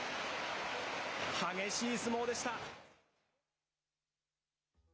激しい相撲でした。